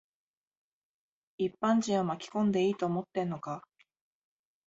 一般人を巻き込んでいいと思ってんのか。